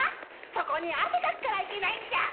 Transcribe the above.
そこに汗かくからいけないんじゃん！